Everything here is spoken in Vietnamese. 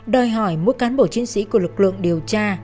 đòi hỏi mỗi cán bộ chiến sĩ của lực lượng điều tra